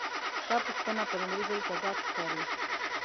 دا پوښتنه په لومړي ځل تضاد ښکاري.